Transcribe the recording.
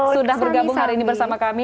sudah bergabung hari ini bersama kami